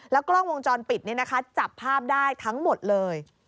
กล้องวงจรปิดจับภาพได้ทั้งหมดเลย